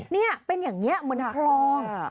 นี่เป็นอย่างนี้เหมือนคลอง